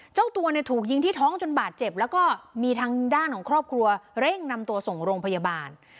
เจ้าตัวเนี่ยถูกยิงที่ท้องจนบาดเจ็บแล้วก็มีทางด้านของครอบครัวเร่งนำตัวส่งโรงพยาบาล